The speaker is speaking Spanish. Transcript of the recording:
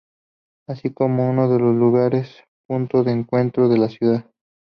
Así como uno de los lugares punto de encuentro de la ciudad.